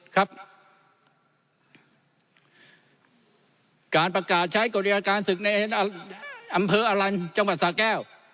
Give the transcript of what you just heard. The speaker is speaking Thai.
การประกาศใช้กฏไอ้อยากาศศึกในอมเผืออรัญจังหวัดสาแก้ว